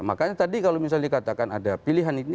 makanya tadi kalau misalnya dikatakan ada pilihan ini